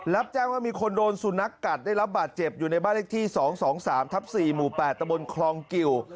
รับแจ้งว่ามีคนโดนสุนัขกัดได้รับบาดเจ็บอยู่ในบ้านเลขที่๒๒๓ทับ๔หมู่๘ตะบนคลองกิว